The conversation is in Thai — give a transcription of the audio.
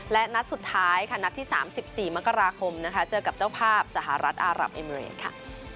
และนัดสุดท้ายค่ะนัดที่๓๔มกราคมนะคะเจอกับเจ้าภาพสหรัฐอารับเอเมริดค่ะ